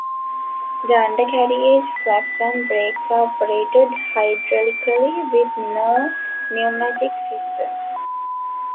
The undercarriage, flaps and brakes are operated hydraulically, with no pneumatic systems.